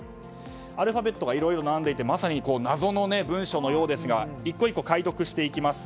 アルファベットがいろいろ並んでいてまさに謎の文書のようですが１個１個解読していきます。